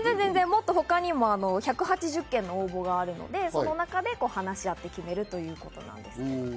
もっと他にも１８０件の応募があるので、その中で話し合って決めるということなんです。